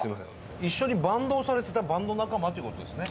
一緒にバンドをされてたバンド仲間という事ですね？